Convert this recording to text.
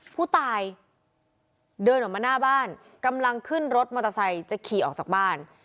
ผู้ตายเดินออกมาหน้าบ้านกำลังขึ้นรถมอเตอร์ไซค์จะขี่ออกจากบ้าน